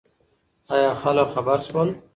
ایا خلک خبر شول؟